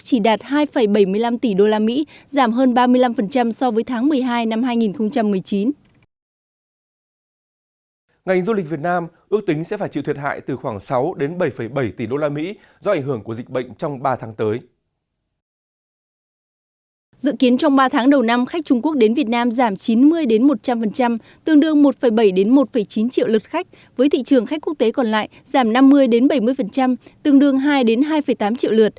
chỉ đạt hai bảy mươi năm tỷ usd giảm hơn ba mươi năm so với tháng một mươi hai năm hai nghìn một mươi chín